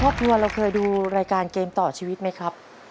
ครอบครัวเราเคยดูรายการเกมต่อชีวิตไหมครับ